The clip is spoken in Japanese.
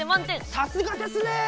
さすがですね！